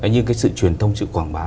nhưng cái sự truyền thông sự quảng bá